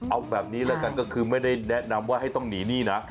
เอาแบบนี้แล้วกันก็คือไม่ได้แนะนำว่าให้ต้องหนีหนี้นะ